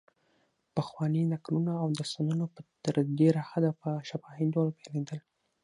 پخواني نکلونه او داستانونه په تر ډېره حده په شفاهي ډول بیانېدل.